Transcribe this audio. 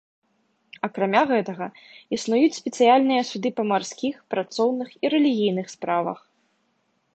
Акрамя гэтага існуюць спецыяльныя суды па марскіх, працоўных і рэлігійных справах.